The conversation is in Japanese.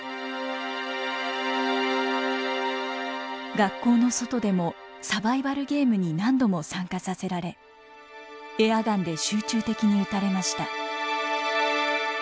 学校の外でもサバイバルゲームに何度も参加させられエアガンで集中的に撃たれました。